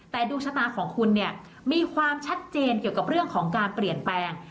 แต่ดวงชะตาของคุณเนี่ยมีความชัดเจนเกี่ยวกับเรื่องของการเปลี่ยนแปลง